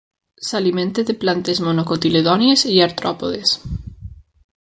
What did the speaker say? S'alimenta de plantes monocotiledònies i artròpodes.